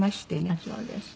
あっそうですか。